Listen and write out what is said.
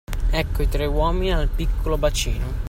Ecco i tre uomini al piccolo bacino.